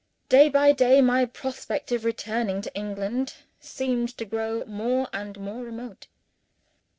Day by day, my prospect of returning to England seemed to grow more and more remote.